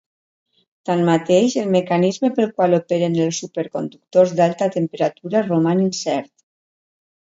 Tanmateix, el mecanisme pel qual operen els superconductors d'alta temperatura roman incert.